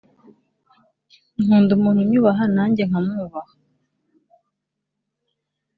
Nkunda umuntu unyubaha nanjye nka mwubaha